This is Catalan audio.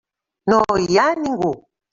No hi ha ningú.